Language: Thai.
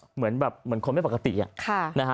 เหมือนแบบคนไม่ปกติอ่ะ